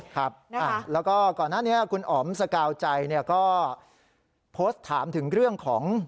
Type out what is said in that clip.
ครับแล้วก็ก่อนหน้านี้คุณอ๋อมสกาวใจก็โพสต์ถามถึงเรื่องของ